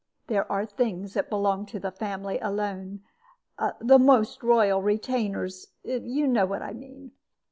There are things that belong to the family alone. The most loyal retainers you know what I mean."